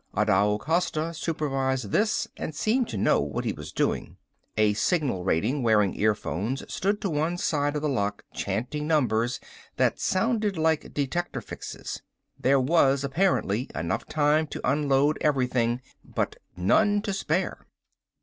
Adao Costa supervised this and seemed to know what he was doing. A signal rating wearing earphones stood to one side of the lock chanting numbers that sounded like detector fixes. There was apparently enough time to unload everything but none to spare.